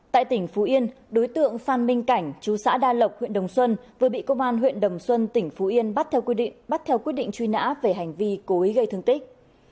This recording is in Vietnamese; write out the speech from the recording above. tại tỉnh phú yên đối tượng phan minh cảnh chú xã đa lộc huyện đồng xuân vừa bị công an huyện đồng xuân tỉnh phú yên bắt theo quy định bắt theo quyết định truy nã về hành vi cố ý gây thương tích